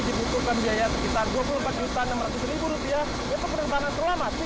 dibutuhkan biaya sekitar rp dua puluh empat enam ratus untuk penerbangan selama tiga puluh menit